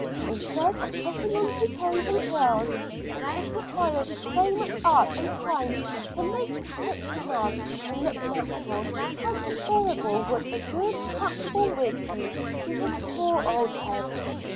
– Instead of putting on toupees and curls, which it requires so much art and time to make sit snug and look natural, how preferable would a good comfortable wig be to his poor old head!